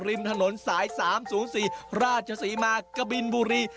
ริมถนนสายสามสูงสี่ราชสีมากบินบุรี